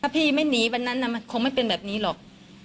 พี่ไม่หนีวันนั้นมันคงไม่เป็นแบบนี้หรอก